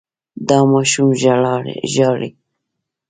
دا ماشوم ژاړي.